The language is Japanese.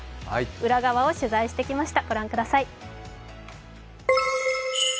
裏側を取材してきました。